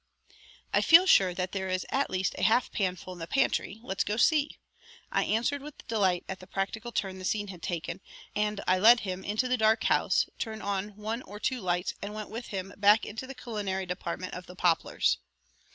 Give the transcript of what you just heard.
"I feel sure that there is at least a half panful in the pantry; let's go see," I answered with delight at the practical turn the scene had taken, and I led him into the dark house, turned on one or two lights and went with him back into the culinary department of the Poplars.